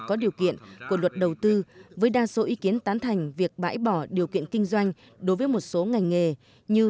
có điều kiện của luật đầu tư với đa số ý kiến tán thành việc bãi bỏ điều kiện kinh doanh đối với một số ngành nghề như